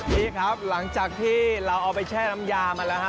นี่ครับหลังจากที่เราเอาไปแช่น้ำยามาแล้วฮะ